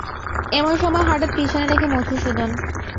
এমন সময় হঠাৎ পিছনে দেখে মধুসূদন।